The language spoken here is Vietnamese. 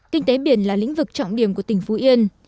kinh tế biển là lĩnh vực trọng điểm của tỉnh phú yên